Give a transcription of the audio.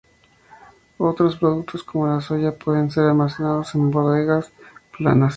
Otros productos como la soya pueden ser almacenados en bodegas planas.